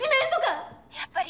「やっぱり。